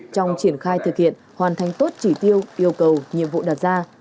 trong triển khai thực hiện hoàn thành tốt chỉ tiêu yêu cầu nhiệm vụ đặt ra